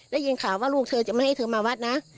ได้ยินข่าวว่าลูกเธอจะไม่ให้เธอมาวัดนะ